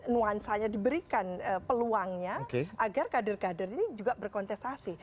nuansanya diberikan peluangnya agar kader kader ini juga berkontestasi